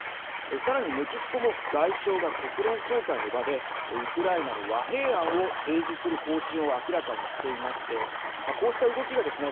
さらに、メキシコも外相が国連総会の場でウクライナの和平案を提示する方針を明らかにしていましてこうした動きがですね